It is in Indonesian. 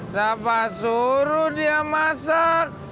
siapa suruh dia masak